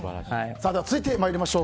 続いて参りましょう。